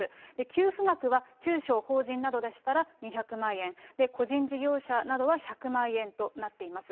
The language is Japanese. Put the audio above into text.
給付額は、中小法人などでしたら２００万円、個人事業者などは１００万円となっています。